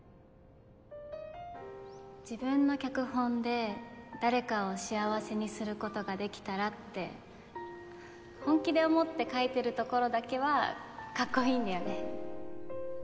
「自分の脚本で誰かを幸せにすることができたら」って本気で思って書いているところだけはかっこいいんだよね。